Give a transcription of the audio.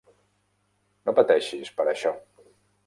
No pateixis per això.